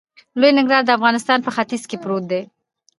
لوی ننګرهار د افغانستان په ختیځ کې پروت دی.